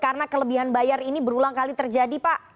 karena kelebihan bayar ini berulang kali terjadi pak